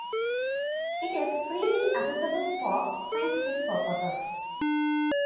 It is freely accessible for scientific purposes.